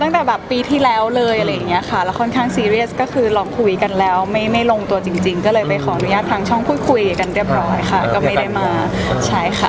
ค่ะแล้วค่อนข้างซีเรียสก็คือลองคุยกันแล้วไม่ไม่ลงตัวจริงจริงก็เลยไปขออนุญาตทางช่องพูดคุยกันเรียบร้อยค่ะก็ไม่ได้มาใช้ค่ะ